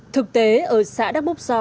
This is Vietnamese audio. thực tế ở xã đắk bốc so